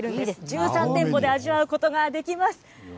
１３店舗で味わうことができます。